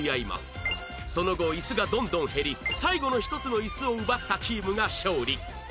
その後イスがどんどん減り最後の１つのイスを奪ったチームが勝利